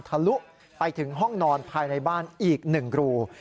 ทะลุไปถึงห้องนอนภายในบ้านอีก๑รู